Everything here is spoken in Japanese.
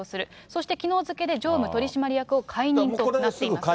そしてきのう付けで常務取締役を解任となっています。